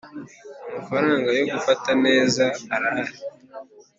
Amafaranga yo gufata neza arahari